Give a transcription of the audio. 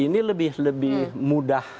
ini lebih lebih mudah